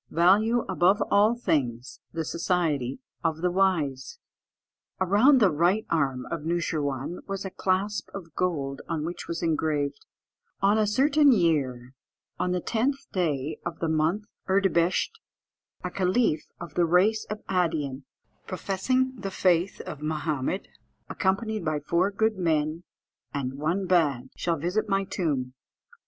"Value above all things the society of the wise." Around the right arm of Noosheerwân was a clasp of gold, on which was engraved "On a certain year, on the 10th day of the month Erdebehisht, a caliph of the race of Adean, professing the faith of Mahomed, accompanied by four good men, and one bad, shall visit my tomb."